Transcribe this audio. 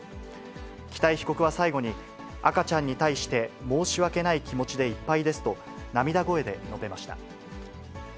北井被告は最後に、赤ちゃんに対して申し訳ない気持ちでいっぱいですと、涙声で述べました。